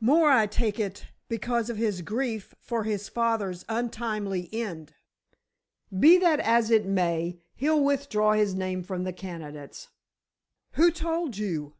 "More, I take it, because of his grief for his father's untimely end." "Be that as it may, he'll withdraw his name from the candidates." "Who told you?"